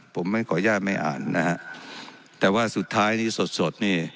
ผมไม่ขออนุญาตไม่อ่านนะฮะแต่ว่าสุดท้ายนี้สดสดนี่